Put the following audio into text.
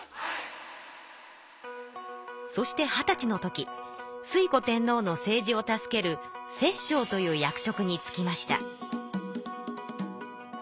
そして二十歳の時推古天皇の政治を助ける摂政という役職につきました。